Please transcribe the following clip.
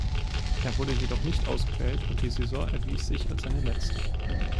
Er wurde jedoch nicht ausgewählt und die Saison erwies sich als seine letzte.